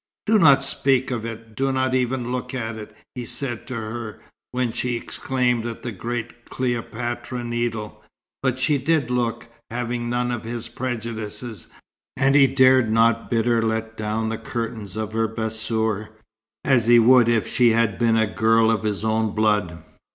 "Do not speak of it; do not even look at it," he said to her, when she exclaimed at the great Cleopatra Needle. But she did look, having none of his prejudices, and he dared not bid her let down the curtains of her bassour, as he would if she had been a girl of his own blood.